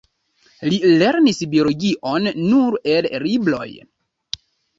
Li lernis biologion nur el libroj.